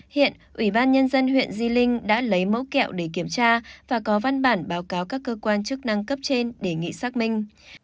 hiện ủy ban nhân dân huyện di linh đã lấy mẫu kẹo để kiểm tra và có văn bản báo cáo các cơ quan chức năng cấp trên đề nghị xác minh